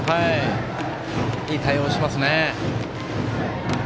いい対応しますね。